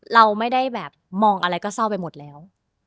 เราไม่ได้แบบมองอะไรก็เศร้าไปหมดแล้ว